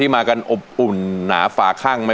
มากันอบอุ่นหนาฝาข้างไหม